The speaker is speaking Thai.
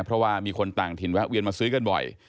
เพราะว่ามีคนต่างถิ่นแวะเวียนมาซื้อกันบ่อย